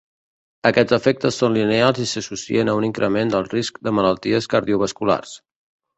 Aquests efectes són lineals i s’associen a un increment del risc de malalties cardiovasculars.